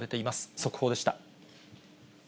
速報でした。